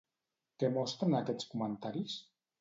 Què mostren aquests comentaris?